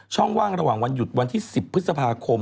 ว่างระหว่างวันหยุดวันที่๑๐พฤษภาคม